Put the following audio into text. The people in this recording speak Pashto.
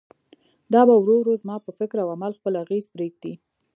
دا به ورو ورو زما پر فکر او عمل خپل اغېز پرېږدي.